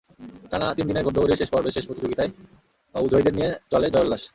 টানা তিন দিনের ঘোড়দৌড়ের শেষ পর্বে শেষ প্রতিযোগিতায় জয়ীদের নিয়ে চলে জয়োল্লাস।